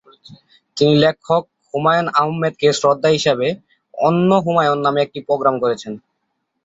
তিনি লেখক হুমায়ুন আহমেদকে শ্রদ্ধা হিসাবে "অন্য হুমায়ূন" নামে একটি প্রোগ্রাম করেছেন।